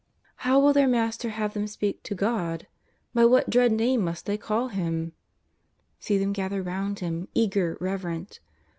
How will their Master have them speak to God ? by what dread Name must they call Him? See them gather round Him, eager, reverent.